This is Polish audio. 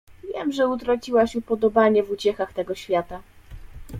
— Wiem, że utraciłaś upodobanie w uciechach tego świata.